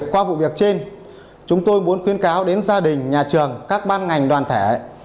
qua vụ việc trên chúng tôi muốn khuyên cáo đến gia đình nhà trường các ban ngành đoàn thể